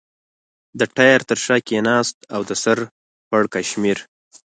د ټایر تر شا کېناست او د سر پړکمشر.